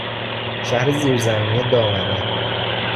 شهر زیرزمینی دامنه